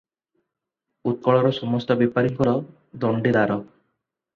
ଉତ୍କଳର ସମସ୍ତ ବେପରୀଙ୍କର ଦଣ୍ଡିଦାର ।